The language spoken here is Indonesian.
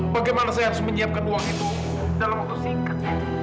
bagaimana saya harus menyiapkan uang itu dalam waktu singkat